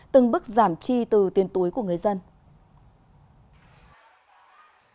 từng bước giảm chi từ tiền túi của người dân